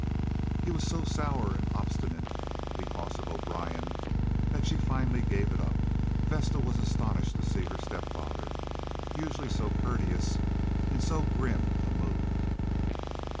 He was so sour and obstinate, because of O'Brien, that she finally gave it up. Vesta was astonished to see her stepfather, usually so courteous, in so grim a mood.